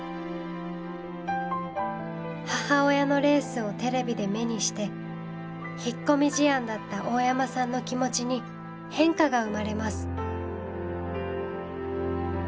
母親のレースをテレビで目にして引っ込み思案だった大山さんの気持ちに変化が生まれます。